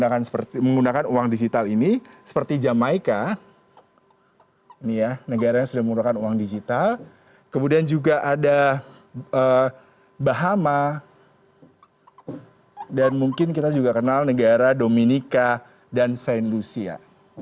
kemudian juga ada bahama dan mungkin kita juga kenal negara dominika dan saint lucia